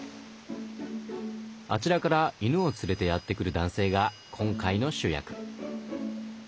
あちらから犬を連れてやって来る男性が今回の主役。